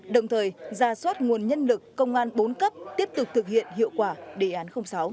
đồng thời ra soát nguồn nhân lực công an bốn cấp tiếp tục thực hiện hiệu quả đề án sáu